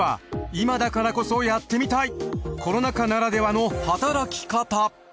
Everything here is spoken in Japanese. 今だからこそやってみたいコロナ禍ならではのはたらき方。